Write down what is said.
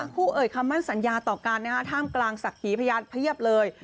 คู่เอ่ยคำมั่นสัญญาต่อกันท่ามกลางศักดิ์หีพยานเพียบเลย